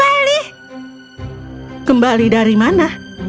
dan leticia menceritakan kepada mereka seluruh petualangan